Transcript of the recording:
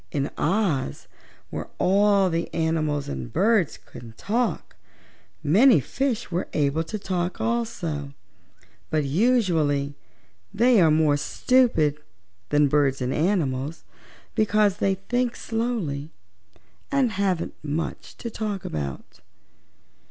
In Oz, where all the animals and birds can talk, many fishes are able to talk also, but usually they are more stupid than birds and animals because they think slowly and haven't much to talk about.